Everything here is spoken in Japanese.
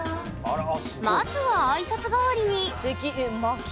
まずは挨拶代わりにすてき。